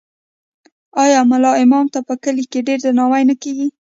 آیا ملا امام ته په کلي کې ډیر درناوی نه کیږي؟